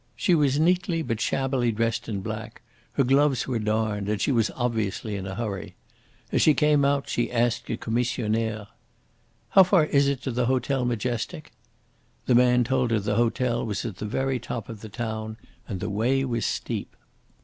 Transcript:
She was neatly but shabbily dressed in black; her gloves were darned, and she was obviously in a hurry. As she came out she asked a commissionaire: "How far is it to the Hotel Majestic?" The man told her the hotel was at the very top of the town, and the way was steep.